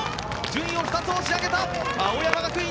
順位を２つ押し上げた！